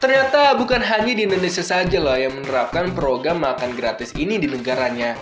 ternyata bukan hanya di indonesia saja loh yang menerapkan program makan gratis ini di negaranya